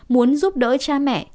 muốn giúp đỡ cha mẹ